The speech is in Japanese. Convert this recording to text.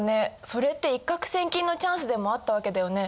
それって一獲千金のチャンスでもあったわけだよね。